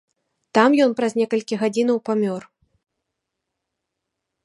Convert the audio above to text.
Там ён праз некалькі гадзінаў памёр.